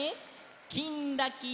「きんらきら」。